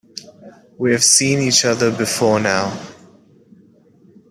We have seen each other before now.